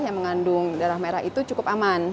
yang mengandung darah merah itu cukup aman